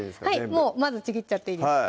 もうまずちぎっちゃっていいです